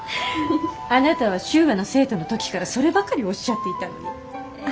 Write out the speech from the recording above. あなたは修和の生徒の時からそればかりおっしゃっていたのに。